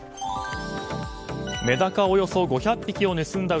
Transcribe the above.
メダカおよそ５００匹を盗んだ